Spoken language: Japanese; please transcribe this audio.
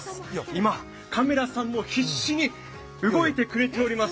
今、カメラさんも必死に動いてくれています。